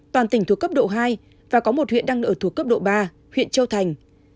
toàn tỉnh thuộc cấp độ hai và có một huyện đang ở thuộc cấp độ ba huyện châu thành